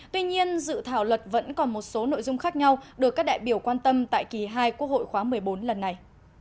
tuy nhiên dự thảo luật vẫn còn một số nội dung khác nhau được các đại biểu quan tâm tại kỳ hai quốc hội khóa một mươi bốn lần này